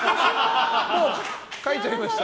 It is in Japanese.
もう書いちゃいました？